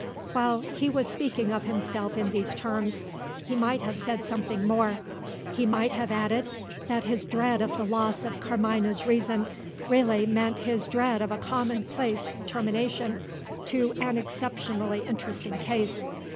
While he was speaking of himself in these terms, he might have said something more. He might have added, that his dread of the loss of Carmina's reason really meant his dread of a commonplace termination to an exceptionally interesting case.